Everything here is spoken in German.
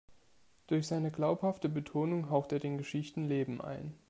Durch seine glaubhafte Betonung haucht er den Geschichten Leben ein.